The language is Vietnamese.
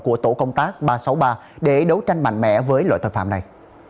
của tổ công tác ba trăm sáu mươi ba để đấu tranh mạnh mẽ với loại tội phạm này